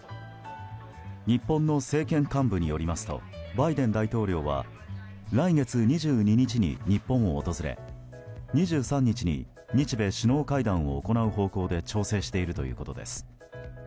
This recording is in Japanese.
日本の政権幹部によりますとバイデン大統領は来月２２日に日本を訪れ２３日に日米首脳会談を行う方向で調整しているということです。